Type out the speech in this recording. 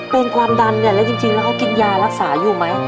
เป็นความดันเนี่ยแล้วจริงแล้วเขากินยารักษาอยู่ไหม